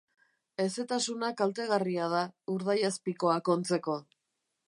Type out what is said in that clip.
Hezetasuna kaltegarria da, urdaiazpikoak ontzeko.